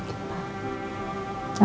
aku sakit pak